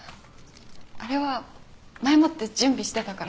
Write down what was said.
あれは前もって準備してたから。